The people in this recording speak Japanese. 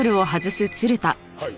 はい。